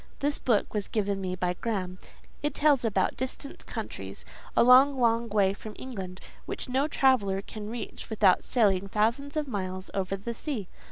This book was given me by Graham; it tells about distant countries, a long, long way from England, which no traveller can reach without sailing thousands of miles over the sea.